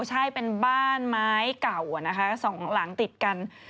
ใช่เป็นบ้านไม้เก่านะคะสองหลังติดกัน